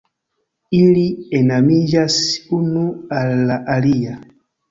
Ili enamiĝas unu al la alia.